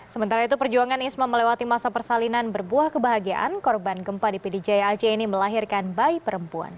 sementara itu perjuangan isma melewati masa persalinan berbuah kebahagiaan korban gempa di pd jaya aceh ini melahirkan bayi perempuan